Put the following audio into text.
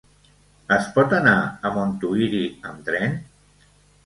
Es pot anar a Montuïri amb tren?